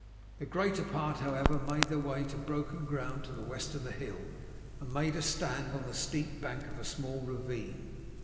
The greater part, however, made their way to broken ground to the west of the hill, and made a stand on the steep bank of a small ravine.